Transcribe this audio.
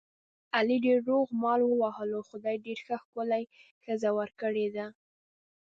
علي ډېر روغ مال ووهلو، خدای ډېره ښه ښکلې ښځه ور کړې ده.